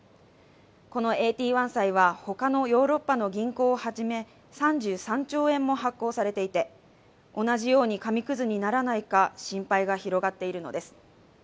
このＡＴ１債は他のヨーロッパの銀行をはじめ、３３兆円も発行されていて、同じように紙くずにならないか心配が広がっているのです。